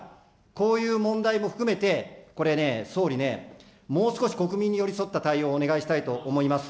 こういう問題も含めて、これね、総理ね、もう少し国民に寄り添った対応をお願いしたいと思います。